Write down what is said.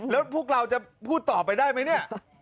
แล้วพวกเราจะพูดต่อไปได้ไหมเนี่ย